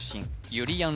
ゆりやん